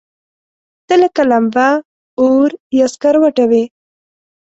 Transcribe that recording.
ته لکه لمبه، اور يا سکروټه وې